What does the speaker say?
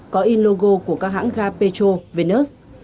có in logo của các hãng ga petro vinas